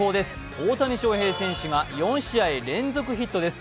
大谷翔平選手が４試合連続ヒットです。